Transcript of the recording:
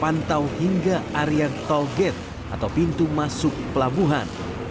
pantau hingga area tol gate atau pintu masuk pelabuhan